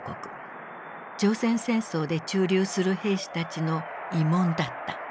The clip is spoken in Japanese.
朝鮮戦争で駐留する兵士たちの慰問だった。